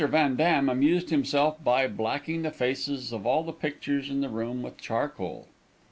Van Dam amused himself by blacking the faces of all the pictures in the room with charcoal.